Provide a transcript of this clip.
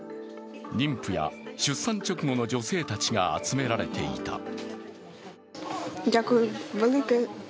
妊婦や出産直後の女性たちが集められていた。